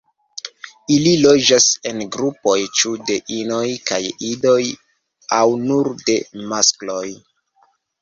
Ili loĝas en grupoj ĉu de inoj kaj idoj aŭ nur de maskloj.